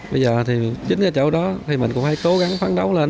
bây giờ thì chính cái chỗ đó thì mình cũng phải cố gắng phán đấu lên